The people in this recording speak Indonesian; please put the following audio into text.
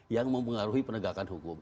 yang mempengaruhi penegakan hukum